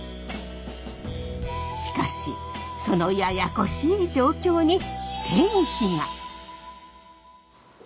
しかしそのややこしい状況に転機が。